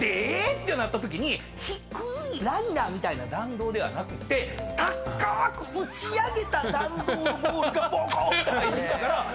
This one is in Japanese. ってなったときに低いライナーみたいな弾道でなくて高く打ち上げた弾道のボールがボコンって入ってきたから何や⁉これ！